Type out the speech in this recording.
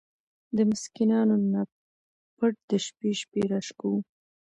د مسکينانو نه پټ د شپې شپې را شکوو!!.